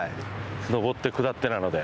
上って下ってなので。